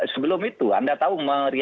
sebelum itu anda tahu